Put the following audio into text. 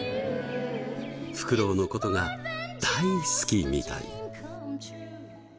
フクロウの事が大好きみたい。